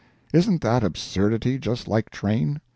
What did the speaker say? Isn't that absurdity just like Train?